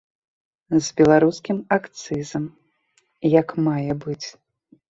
З беларускім акцызам, як мае быць.